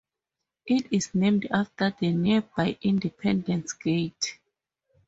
It is named after the nearby Independence Gate.